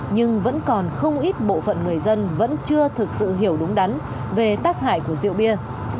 nhưng vẫn còn không ít bộ phận người dân vẫn chưa thực sự hiểu đúng đắn về tác hại của rượu bia